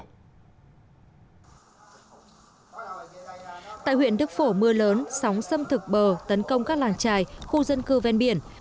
tại huyện đức phổ mưa lớn sóng xâm thực bờ tấn công các làng trài khu dân cư ven biển